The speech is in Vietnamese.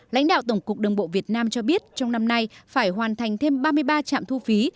lãnh đạo tổng cục đường bộ việt nam cho biết trong năm nay phải hoàn thành thêm ba mươi ba trạm thu phí